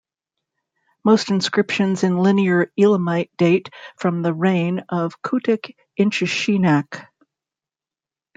Most inscriptions in Linear Elamite date from the reign of Kutik-Inshushinak.